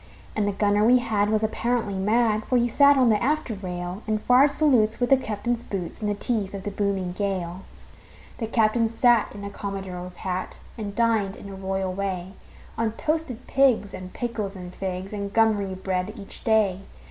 And the gunner we had was apparently mad, For he sat on the after rail, And fired salutes with the captain's boots, In the teeth of the booming gale. The captain sat in a commodore's hat And dined, in a royal way, On toasted pigs and pickles and figs And gummery bread, each day.